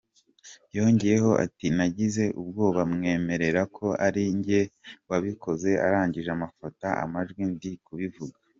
Yongeyeho ati “Nagize ubwoba mwemerera ko ari njye wabikoze arangije amfata amajwi ndi kubivuga.